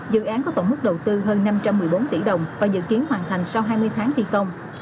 dự án có tổng mức đầu tư hơn năm trăm một mươi bốn tỷ đồng và dự kiến hoàn thành sau hai mươi tháng thi công